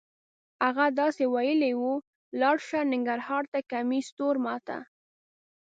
هغه داسې ویلې وه: لاړ شه ننګرهار ته کمیس تور ما ته.